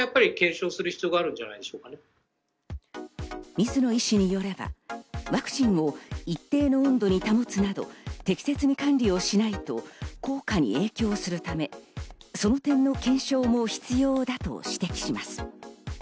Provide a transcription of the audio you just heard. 水野医師によれば、ワクチンを一定の温度に保つなど適切に管理しないと効果に影響するため、その点の検証も必要だと指摘します。